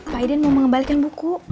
pak idan mau mengembalikan buku